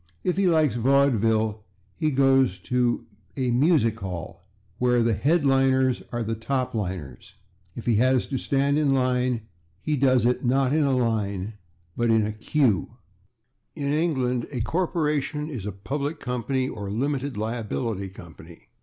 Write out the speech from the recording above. If he likes vaudeville, he goes to a /music hall/, where the /head liners/ are /top liners/. If he has to stand in line, he does it, not in a /line/, but in a /queue/. In England a corporation is a /public company/ or /limited liability company